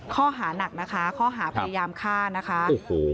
ข้อหานักนะคะข้อหาพยายามฆ่านะคะโอ้โห